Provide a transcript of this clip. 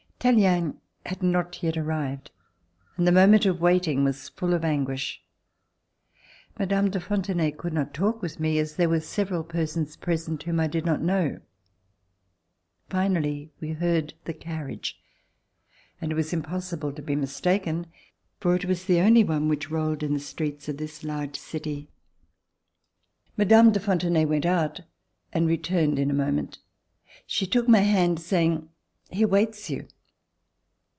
Tallien had not yet arrived and the moment of waiting was full of anguish. Mme. de Fontenay could not talk with me as there were several persons present whom I did not know. Finally we heard the carriage, and it was impossible to be mistaken, for it was the only one which rolled in the streets of this large city. Mme. de Fontenay went out and returned in a moment. She took my hand saying: "He awaits you."